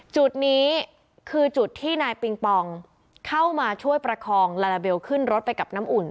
จุดนี้คือจุดที่นายปิงปองเข้ามาช่วยประคองลาลาเบลขึ้นรถไปกับน้ำอุ่น